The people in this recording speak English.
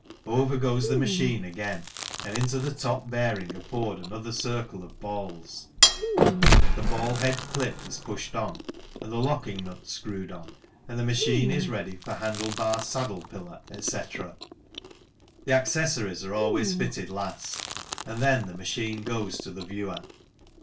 Over goes the machine again and into the top bearing are poured another circle of balls, the ball head clip is pushed on and the locking nut screwed on, and the machine is ready for handle bar, saddle pillar, etc. The accessories are always fitted last, and then the machine goes to the viewer.